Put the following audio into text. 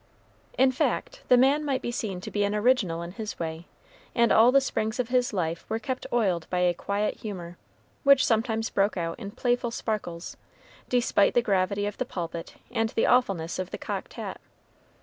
In fact, the man might be seen to be an original in his way, and all the springs of his life were kept oiled by a quiet humor, which sometimes broke out in playful sparkles, despite the gravity of the pulpit and the awfulness of the cocked hat.